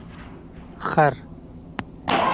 🫏 خر